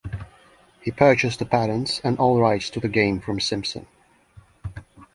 He purchased the patents and all rights to the game from Simpson.